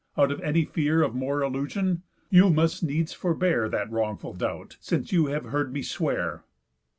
Out of any fear Of more illusion? You must needs forbear That wrongful doubt, since you have heard me swear.